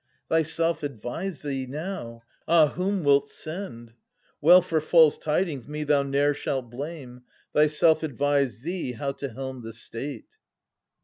Thyself advise thee now — ah, wlwm ^dlt send ?— 650 Well, for false tidings me thou ne'er shalt blame ;. Thyself advise thee how to helm the state.